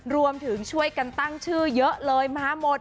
รวมถึงช่วยกันตั้งชื่อเยอะเลยมาหมด